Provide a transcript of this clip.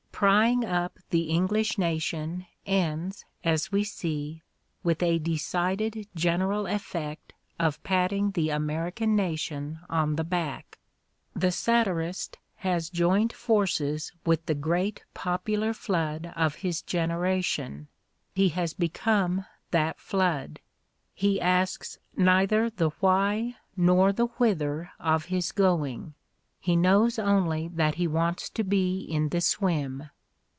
Prying up the English nation ends, as we see, with a decided general effect of patting the American nation on the back. The satirist has joined forces with the great popular flood of his generation; he has become that flood; he asks neither the why nor the whither of his going; he knows only that he wants to be in the swim.